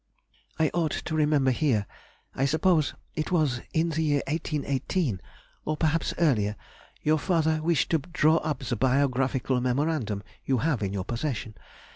I ought to remember here, I suppose it was in the year 1818, or perhaps earlier, your father wished to draw up the biographical memorandum you have in your possession.